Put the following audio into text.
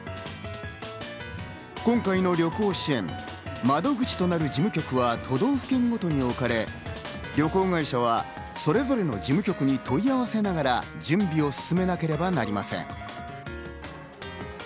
今回の旅行支援、窓口となる事務局は都道府県ごとに置かれ、旅行会社はそれぞれの事務局に問い合わせながら準備を進めなければなりません。